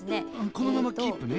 このままキープね。